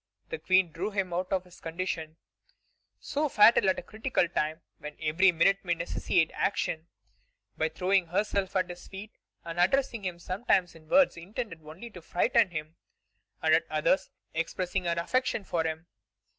The Queen drew him out of this condition, so fatal at a critical time when every minute may necessitate action, by throwing herself at his feet and addressing him sometimes in words intended only to frighten him, and at others expressing her affection for him.